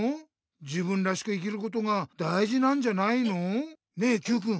自分らしく生きることがだいじなんじゃないの？ねえＱくん